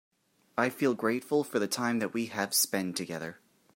I feel grateful for the time that we have spend together.